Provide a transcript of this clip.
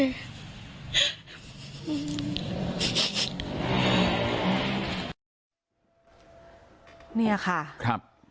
สงสันหนูเนี่ยว่าสงสันหนูเนี่ยมีกระทิแววออกได้จังไหน